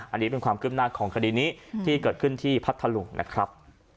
อันนี้เป็นความคืบหน้าของคดีนี้ที่เกิดขึ้นที่พัทธลุงนะครับ